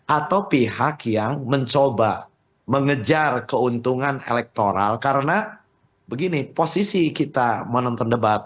atau pihak yang mencoba mengejar keuntungan elektoral karena begini posisi kita menonton debat